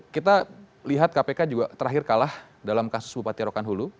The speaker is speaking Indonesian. kita lihat kpk juga terakhir kalah dalam kasus bupati rokan hulu